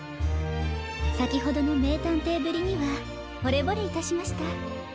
さきほどのめいたんていぶりにはほれぼれいたしました。